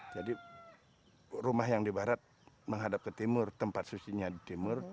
jadi rumah yang di barat menghadap ke timur tempat sucinya di timur